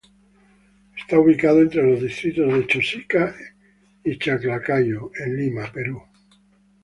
Está ubicado entre los distritos de Chosica y Chaclacayo en Lima, Perú.